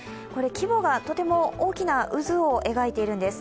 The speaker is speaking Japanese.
規模がとても大きな渦を描いているんです。